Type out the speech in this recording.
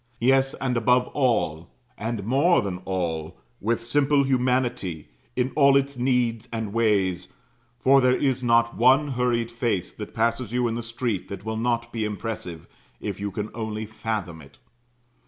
Yes, and above all, and more than all, with simple humanity in all its needs and ways, for there is not one hurried face that passes you in the street that will not be impressive, if you can only fathom it.